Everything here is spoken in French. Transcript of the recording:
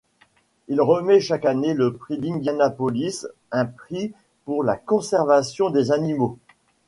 Il remet chaque année le Prix d'Indianapolis, un prix pour la conservation des animaux.